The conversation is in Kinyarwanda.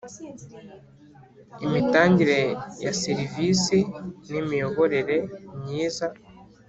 Imitangire ya serivisi n’ Imiyoborere myiza